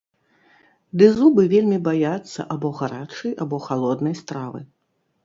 Ды зубы вельмі баяцца або гарачай, або халоднай стравы.